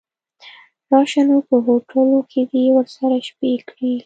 راشه نو په هوټلو کې دې ورسره شپې کړي.